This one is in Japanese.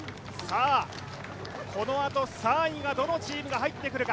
このあと３位はどのチームが入ってくるか？